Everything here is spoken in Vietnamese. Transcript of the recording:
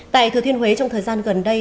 tại thừa thiên huế trong thời gian gần đây